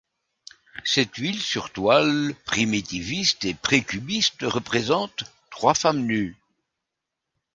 Cette huile sur toile primitiviste et précubiste représente trois femmes nues.